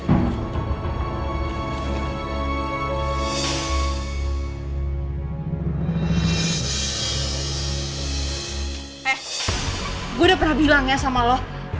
eh gue udah pernah bilang ya sama lo